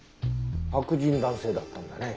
白人男性だったんだね。